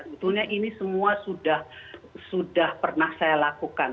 sebetulnya ini semua sudah pernah saya lakukan